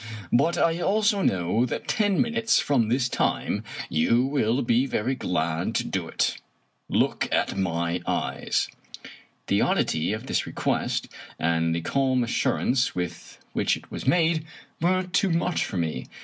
But I also know that ten minutes from this time you will be very glad to do it. Look at my eyes!" The oddity of this request, and the calm assurance with which it was made, were too much for me.